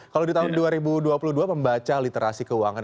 kalau di tahun dua ribu dua puluh dua membaca literasi keuangan